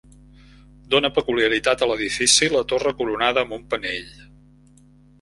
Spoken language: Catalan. Dóna peculiaritat a l'edifici la torre coronada amb un penell.